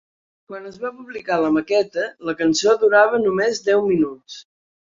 Quan es va publicar la maqueta, la cançó durava només deu minuts.